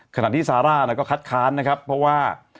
ขณะที่ซาร่าก็คัดค้านนะครับเพราะว่า